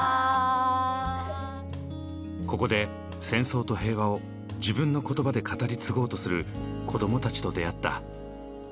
ここで戦争と平和を自分の言葉で語り継ごうとする子どもたちと出会った。